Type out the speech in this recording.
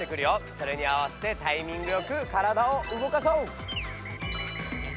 それに合わせてタイミングよくからだを動かそう！